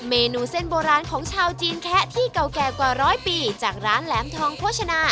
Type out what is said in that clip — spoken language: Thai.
เมนูเส้นโบราณของชาวจีนแคะที่เก่าแก่กว่าร้อยปีจากร้านแหลมทองโภชนา